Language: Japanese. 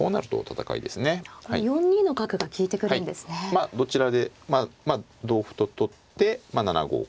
まあどちらで同歩と取って７五角と。